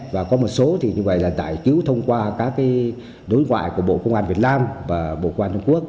và có một số thì như vậy là giải cứu thông qua các đối ngoại của bộ công an việt nam và bộ công an trung quốc